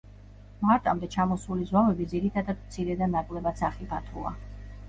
მარტამდე ჩამოსული ზვავები ძირითადად მცირე და ნაკლებად სახიფათოა.